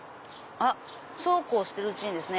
そうこうしてるうちにですね。